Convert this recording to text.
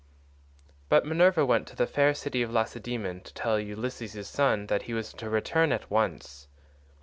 But Minerva went to the fair city of Lacedaemon to tell Ulysses' son that he was to return at once.